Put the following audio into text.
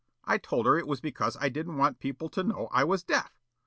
I told her it was because I didn't want people to know I was deaf.